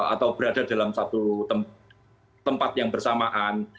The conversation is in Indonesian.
atau berada dalam satu tempat yang bersamaan